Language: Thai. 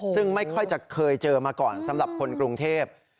ซึ่งไม่ค่อยจะเคยเจอมาก่อนสำหรับคนกรุงเทพ